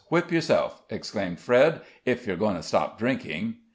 whip yourself," exclaimed Fred, "if you're going to stop drinking."